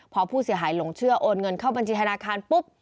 พอผู้เสียหายหลงเชื่อโอนเงินเข้าบัญชีธนาคารปุ๊บ